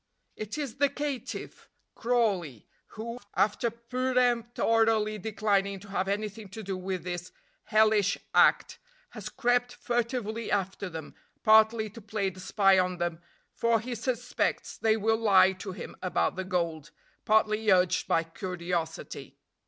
It is the caitiff, Crawley, who, after peremptorily declining to have anything to do with this hellish act, has crept furtively after them, partly to play the spy on them, for he suspects they will lie to him about the gold, partly urged by curiosity.